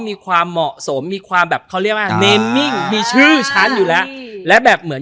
มีความเหมาะสมมีความแบบเขาเรียกว่าเนมมิ่งมีชื่อฉันอยู่แล้วและแบบเหมือน